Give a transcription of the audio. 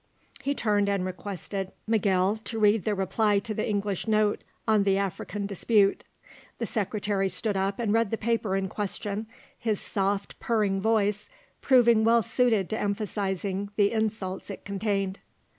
He turned and requested Miguel to read the reply to the English note on the African Dispute. The Secretary stood up and read the paper in question, his soft, purring voice, proving well suited to emphasising the insults it contained.